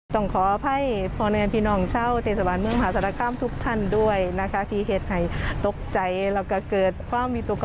ที่เห็นเขาเทเมื่อกี้อันนี้ค่ะ